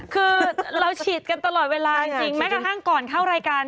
คือเราฉีดกันตลอดเวลาจริงแม้กระทั่งก่อนเข้ารายการ